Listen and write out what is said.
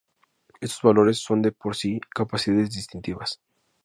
Estos valores son de por sí capacidades distintivas.